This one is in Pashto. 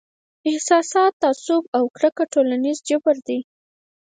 احساسات، تعصب او کرکه ټولنیز جبر دی.